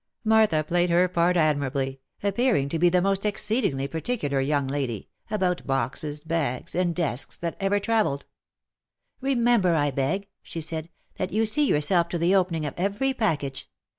Martha played her part admira bly, appearing to be the most exceedingly particular young lady, about boxes, bags, and desks, that ever travelled. " Remember, I beg," she said, " that you see yourself to the opening of every package.